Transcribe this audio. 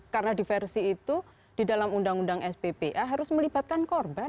karena diversi itu di dalam undang undang sppa harus melibatkan korban